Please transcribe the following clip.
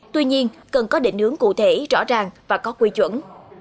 tuy nhiên cần có định hướng cụ thể rõ ràng và có quy chuẩn